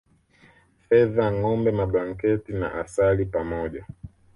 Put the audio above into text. Fedha ngombe mablanketi na asali pamoja